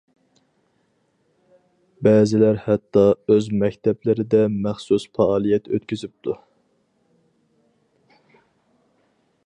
بەزىلەر ھەتتا ئۆز مەكتەپلىرىدە مەخسۇس پائالىيەت ئۆتكۈزۈپتۇ.